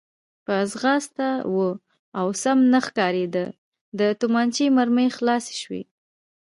په ځغاسته و او سم نه ښکارېده، د تومانچې مرمۍ خلاصې شوې.